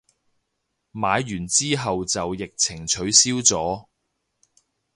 買完之後就疫情取消咗